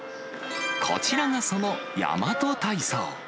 こちらがそのヤマト体操。